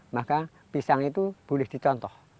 maka pisang itu boleh dicontoh